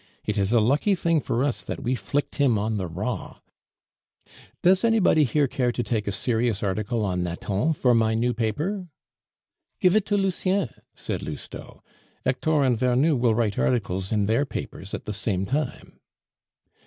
It is a lucky thing for us that we flicked him on the raw. Does anybody here care to take a serious article on Nathan for my new paper?" "Give it to Lucien," said Lousteau. "Hector and Vernou will write articles in their papers at the same time."